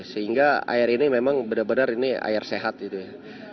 sehingga air ini memang benar benar ini air sehat gitu ya